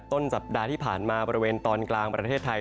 ต้นสัปดาห์ที่ผ่านมาบริเวณตอนกลางประเทศไทย